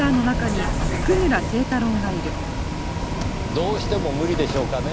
どうしても無理でしょうかねぇ？